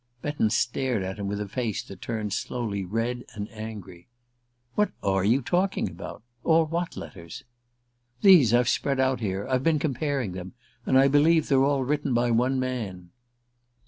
Betton stared at him with a face that turned slowly red and angry. "What are you talking about? All what letters?" "These I've spread out here: I've been comparing them. And I believe they're all written by one man."